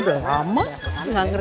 segera karena di kidung there